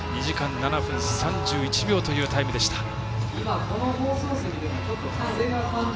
２時間７分３１秒というタイムでした。